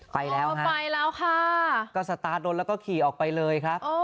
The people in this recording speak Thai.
ไปแล้วค่ะก็สตาร์ทรถแล้วก็ขี่ออกไปเลยครับ